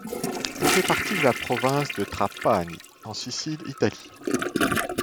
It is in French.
Elle fait partie de la province de Trapani en Sicile, Italie.